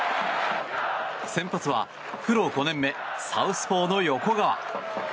先発はプロ５年目サウスポーの横川。